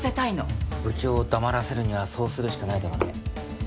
部長を黙らせるにはそうするしかないだろうね。